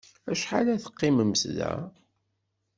Acḥal ad teqqimemt da?